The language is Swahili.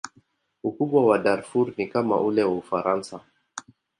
Ukubwa wa Darfur ni kama ule wa Ufaransa.